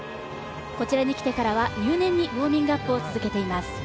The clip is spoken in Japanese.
こちらに来てからは入念にウォーミングアップを続けています。